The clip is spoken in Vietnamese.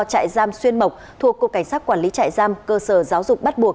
trại giam xuyên mộc thuộc cục cảnh sát quản lý trại giam cơ sở giáo dục bắt buộc